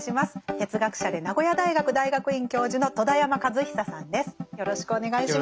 哲学者で名古屋大学大学院教授の戸田山和久さんです。